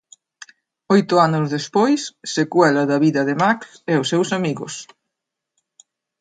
Oito anos despois, secuela da vida de Max e os seus amigos.